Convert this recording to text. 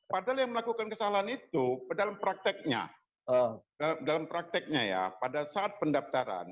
padahal yang melakukan kesalahan itu dalam prakteknya dalam prakteknya ya pada saat pendaftaran